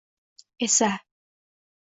esa